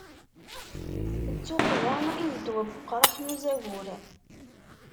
D tuqqda i d ddwa n uqraḥ n uzagur.